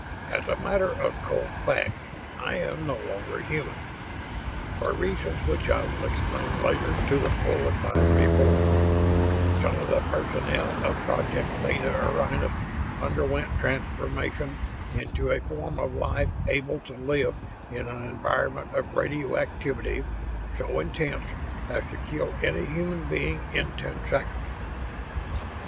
As a matter of cold fact, I am no longer human. For reasons which I will explain later to the full Advisory Board, some of the personnel of Project Theta Orionis underwent transformation into a form of life able to live in an environment of radioactivity so intense as to kill any human being in ten seconds.